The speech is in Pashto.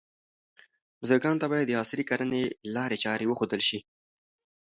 بزګرانو ته باید د عصري کرنې لارې چارې وښودل شي.